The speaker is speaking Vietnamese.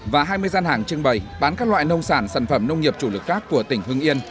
và hai mươi gian hàng trưng bày bán các loại nông sản sản phẩm nông nghiệp chủ lực khác của tỉnh hưng yên